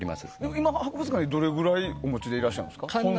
今、博物館にどれぐらいお持ちでいらっしゃいますか？